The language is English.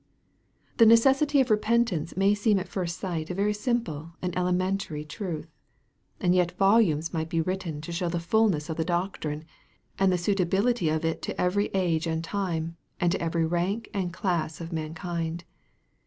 The necessity of repentance may seem at first sight a very simple and elementary truth. And yet volumes might be written to show the fulness of the doctrine, and the suitableness of it to every age and time, and to every rank and class of mankind.